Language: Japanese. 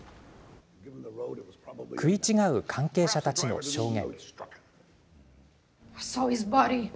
食い違う関係者たちの証言。